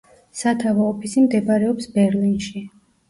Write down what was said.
სათავო ოფისი მდებარეობს ბერლინში.